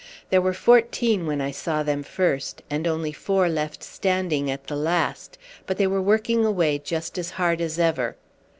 There were fourteen when I saw them first, and only four left standing at the last, but they were working away just as hard as ever.